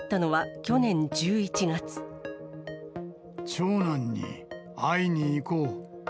長男に会いに行こう。